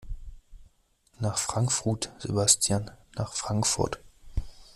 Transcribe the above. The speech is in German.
Nach Frankfrut Sebastian, nach Frankfurt!